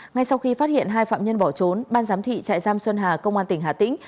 ngay sau khi phát hiện hai phạm nhân bỏ trốn ban giám thị trại giam xuân hà công an tỉnh hà tĩnh